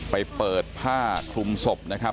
ไปเปิดผ้าคลุมศพนะครับ